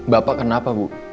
bapak kenapa bu